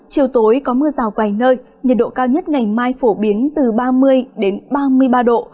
chiều tối có mưa rào vài nơi nhiệt độ cao nhất ngày mai phổ biến từ ba mươi ba mươi ba độ